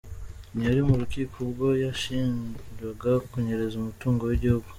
Ntiyari mu rukiko ubwo yashinjwaga kunyereza umutungo w’igihugu.